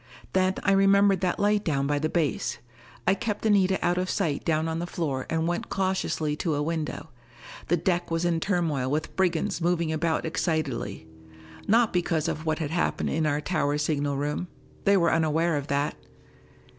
Then I remembered that light down by the base! I kept Anita out of sight down on the floor and went cautiously to a window. The deck was in turmoil with brigands moving about excitedly. Not because of what had happened in our tower signal room: they were unaware of that.